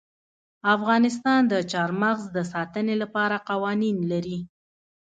افغانستان د چار مغز د ساتنې لپاره قوانین لري.